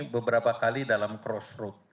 beberapa kali dalam crossroad